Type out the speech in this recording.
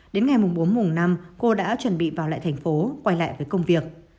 đến ngày bốn mùng năm cô đã chuẩn bị vào lại thành phố quay lại với công việc